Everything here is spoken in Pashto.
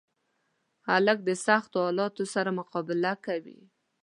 هلک د سختو حالاتو سره مقابله کوي.